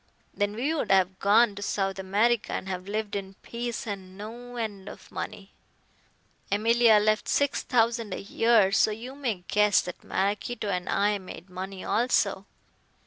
Then we would have gone to South America and have lived in peace on no end of money. Emilia left six thousand a year, so you may guess that Maraquito and I made money also.